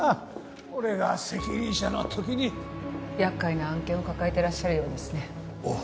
俺が責任者の時に厄介な案件を抱えてらっしゃるようですねおっ